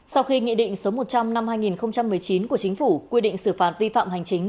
sau khi nghị định số một trăm linh năm hai nghìn một mươi chín của chính phủ quy định xử phạt vi phạm hành chính